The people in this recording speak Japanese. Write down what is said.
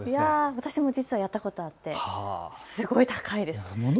私も実はやったことあってすごい高いです。